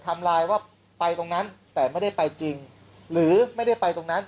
ไลน์ว่าไปตรงนั้นแต่ไม่ได้ไปจริงหรือไม่ได้ไปตรงนั้น